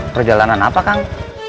perjalanan apa kang